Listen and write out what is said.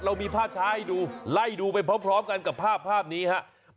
เรามีภาพช้าให้ดูไล่ดูไปพร้อมกันกับภาพนี้ครับ